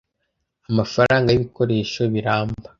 Amafaranga y ibikoresho biramba